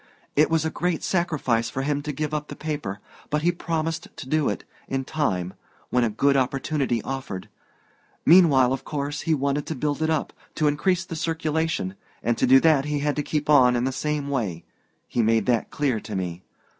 It was a great sacrifice for him to give up the paper, but he promised to do it in time when a good opportunity offered. Meanwhile, of course, he wanted to build it up, to increase the circulation and to do that he had to keep on in the same way he made that clear to me.